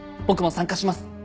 僕も参加します。